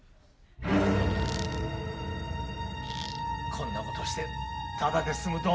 こんなことしてただで済むと思うなよ。